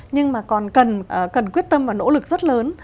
nhưng mà còn cần quyết tâm và nỗ lực rất lớn